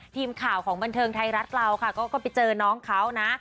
ทีมข่าวของบันเทิงไทยรัฐเราค่ะก็ไปเจอน้องเขานะ